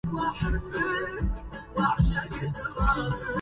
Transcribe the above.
سرى متعرضا طيف الخيال